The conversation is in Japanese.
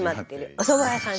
おそば屋さん